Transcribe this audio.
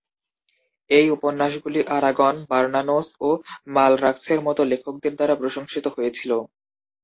এই উপন্যাসগুলি আরাগন, বার্নানোস ও মালরাক্সের মত লেখকদের দ্বারা প্রশংসিত হয়েছিল।